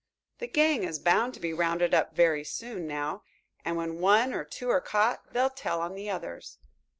The gang is bound to be rounded up very soon now, and when one or two are caught they'll tell on the others.